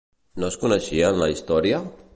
No en coneixien la història?